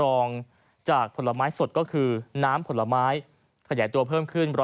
รองจากผลไม้สดก็คือน้ำผลไม้ขยายตัวเพิ่มขึ้น๑๐๐